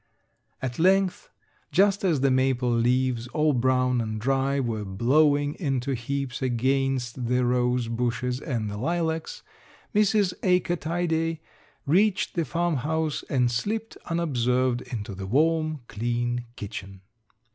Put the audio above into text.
At length, just as the maple leaves, all brown and dry, were blowing into heaps against the rosebushes and the lilacs, Mrs. Acre Tidae reached the farmhouse and slipped unobserved into the warm, clean kitchen.